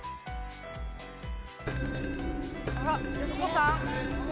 あらっ美子さん？